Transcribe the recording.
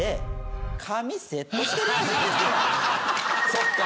・そっか。